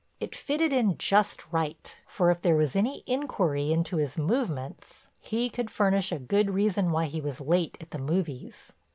It fitted in just right, for if there was any inquiry into his movements he could furnish a good reason why he was late at the movies.